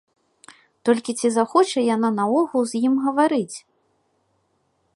Толькі ці захоча яна наогул з ім гаварыць?